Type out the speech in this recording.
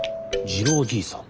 次郎じいさん